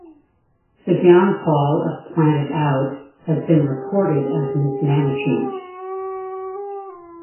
The downfall of Planetout has been reported as mismanagement.